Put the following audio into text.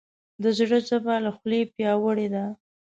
د زړه ژبه له خولې پیاوړې ده.